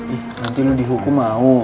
ih nanti lo dihukum mau